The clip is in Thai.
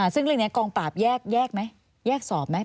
ซึ่งเรื่องนี้กองปราบแยกไหมแยกสอบไหม